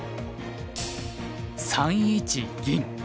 ３一銀。